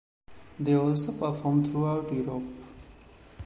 They also performed throughout Europe.